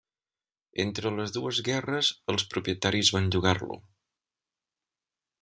Entre les dues guerres els propietaris van llogar-lo.